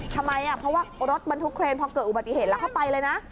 ทำไมเพราะว่ารถบรรทุกเครนพอเกิดอุบัติเหตุแล้วเข้าไปเลยนะ